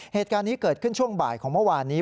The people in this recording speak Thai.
เหตุการณ์นี้เกิดขึ้นช่วงบ่ายของเมื่อวานนี้